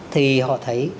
thì họ thấy